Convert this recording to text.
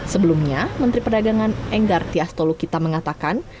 sebelumnya menteri perdagangan enggar tias tolu kita mengatakan